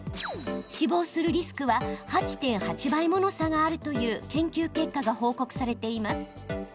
死亡するリスクは８．８倍もの差があるという研究結果が報告されています。